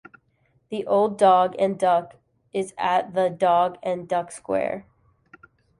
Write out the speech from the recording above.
The Old Dog and Duck is at Dog and Duck Square.